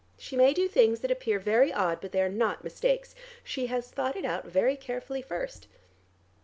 She may do things that appear very odd, but they are not mistakes, she has thought it out very carefully first.